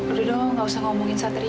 udah dong enggak usah ngomongin satria